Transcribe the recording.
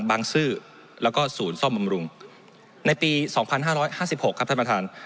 บางซื่อแล้วก็ศูนย์ซ่อมบำรุงในปีสองพันห้าร้อยห้าสิบหกครับท่านประธาน